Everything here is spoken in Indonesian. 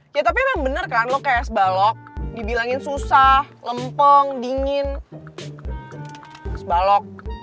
ya tapi emang bener kan lo kayak res balok dibilangin susah lempeng dingin res balok